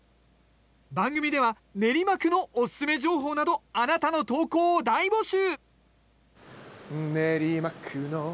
番組では練馬区のおすすめ情報などあなたの投稿を大募集。